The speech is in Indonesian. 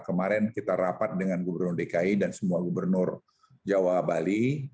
kemarin kita rapat dengan gubernur dki dan semua gubernur jawa bali